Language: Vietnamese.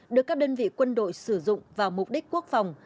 được các đơn vị quân đội sử dụng vào mục đích quốc phòng